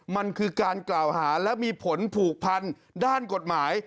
มันคือการกล่าวหาและมีผลผูกพันด้านกฎหมาย